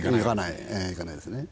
いかないですね。